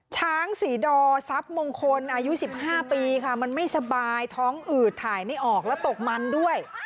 ช้างศรีดอทรัพย์มงคลอายุ๑๕ปีค่ะมันไม่สบายท้องอืดถ่ายไม่ออกแล้วตกมันด้วย